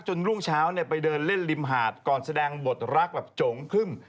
รุ่งเช้าไปเดินเล่นริมหาดก่อนแสดงบทรักแบบโจ๋งครึ่ม